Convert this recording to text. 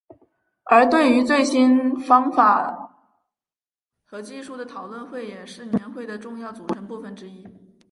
而对于最新方法和技术的讨论会也是年会的重要组成部分之一。